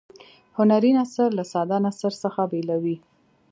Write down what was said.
هنري نثر له ساده نثر څخه بیلوي.